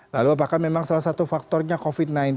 lalu apakah memang salah satu faktornya covid sembilan belas